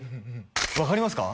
分かりますか？